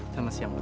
selamat siang pak